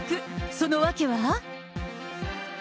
その訳は？